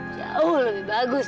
jauh lebih bagus